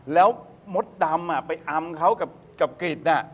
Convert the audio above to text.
แล้วมสดำอ่ะไปอำเขากับกิทย์อ่ะ